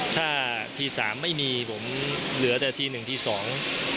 ถ้าทีสามไม่มีผมเหลือแต่ทีหนึ่งทีสอง